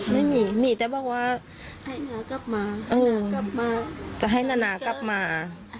ไม่มีมีแค่บอกว่าจะให้นากลับมา